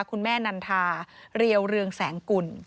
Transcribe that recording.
คุณแม่นันทาเรียวเรืองแสงกุล